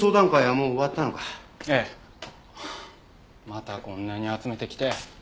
またこんなに集めてきて。